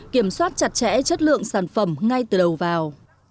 kiểm soát chặt chẽ chất lượng sản phẩm ngay từ đầu vào